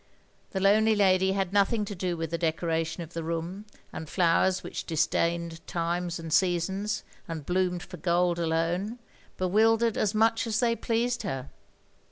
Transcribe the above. The lonely lady had nothing to do with the decoration of the room, and flowers which dis dained times and seasons, and bloomed for gold alone, bewildered as much as they pleased her.